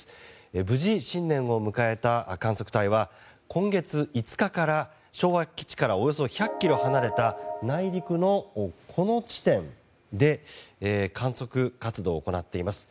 無事、新年を迎えた観測隊は今月５日から昭和基地からおよそ１００ｋｍ離れた内陸のこの地点で観測活動を行っています。